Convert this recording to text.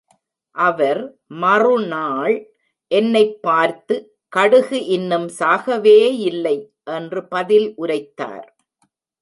அவர் மறுநாள் என்னைப் பார்த்து, கடுகு இன்னும் சாகவேயில்லை! என்று பதில் உரைத்தார்.